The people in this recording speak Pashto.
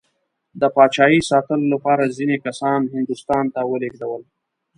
د پاچایۍ ساتلو لپاره ځینې کسان هندوستان ته ولېږدول.